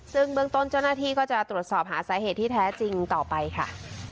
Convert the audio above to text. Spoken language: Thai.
ซึ่งเบื้องต้นเจ้าหน้าที่ก็จะตรวจสอบหาสาเหตุที่แท้จริงต่อไปค่ะ